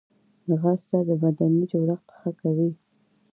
ځغاسته د بدني جوړښت ښه کوي